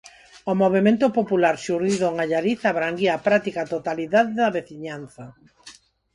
O movemento popular xurdido en Allariz abranguía a práctica totalidade da veciñanza.